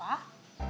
kamar nomor berapa